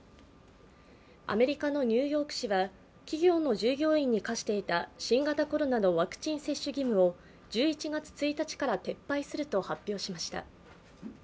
アメリカのニューヨーク市は企業の従業員に課していた新型コロナのワクチン接種義務を１１月１日から撤廃すると発表しました。